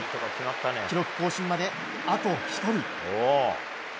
記録更新まで、あと１人。